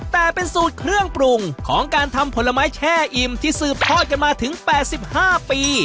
แต่เป็นสูตรเครื่องปรุงของการทำผลไม้แช่อิ่มที่สืบทอดกันมาถึง๘๕ปี